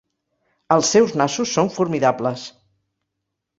Els seus nassos són formidables.